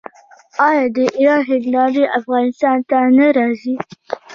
آیا د ایران هندواڼې افغانستان ته نه راځي؟